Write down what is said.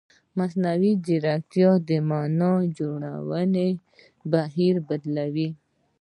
مصنوعي ځیرکتیا د معنا جوړونې بهیر بدلوي.